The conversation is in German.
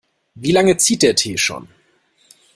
Wie lange zieht der Tee schon?